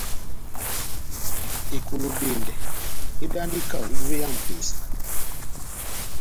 Ekolobendɛ edandi kaho uvé ya mepesa.